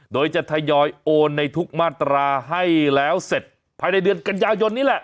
โดยจะทยอยโอนในทุกมาตราให้แล้วเสร็จภายในเดือนกันยายนนี่แหละ